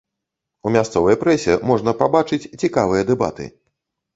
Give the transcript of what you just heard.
У мясцовай прэсе можна пабачыць цікавыя дэбаты.